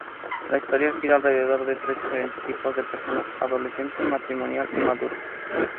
La historia gira alrededor de tres diferentes tipos de personas: adolescente, matrimonial y maduro.